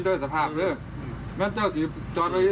ไม่ต้องพาไปทำไมก็ต้องไปด้วย